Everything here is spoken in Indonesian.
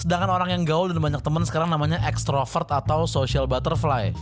sedangkan orang yang gaul dan banyak teman sekarang namanya extrovert atau social butterfly